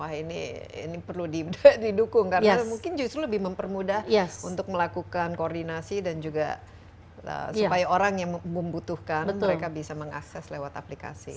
wah ini perlu didukung karena mungkin justru lebih mempermudah untuk melakukan koordinasi dan juga supaya orang yang membutuhkan mereka bisa mengakses lewat aplikasi